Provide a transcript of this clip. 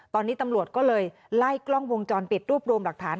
ตอนนี้ตำรวจก็เลยไล่กล้องวงจรปิดรวบรวมหลักฐาน